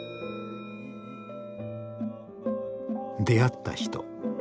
出会った人。